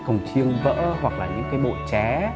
cổng chiêng vỡ hoặc là những cái bộ ché